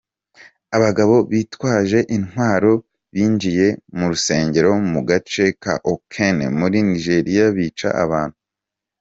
Abagabo bitwaje intwaro binjiye mu rusengero mu gace ka Okene muri Nigeria bica abantu .